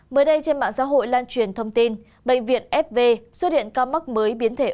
mới đây trên mạng xã hội lan truyền thông tin bệnh viện fv xuất hiện ca mắc mới biến thể